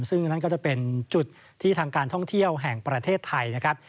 ซึ่งนั่นก็จะเป็นจุดที่ทางการท่องเที่ยวแห่งประเทศไทยนะครับ